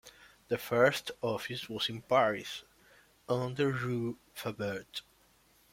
The first office was in Paris on the rue Fabert.